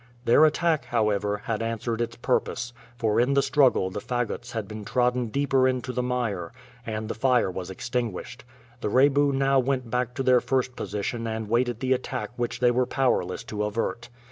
Their attack, however, had answered its purpose, for in the struggle the fagots had been trodden deeper into the mire, and the fire was extinguished. The Rebu now went back to their first position and waited the attack which they were powerless to avert.